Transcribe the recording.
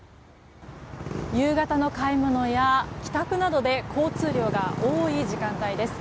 夕方の買い物や帰宅などで交通量が多い時間帯です。